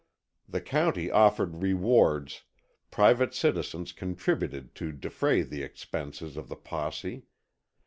The county offered rewards, private citizens contributed to defray the expenses of the posse.